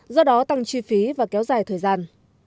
do đó tăng chi phí và kéo dài thời gian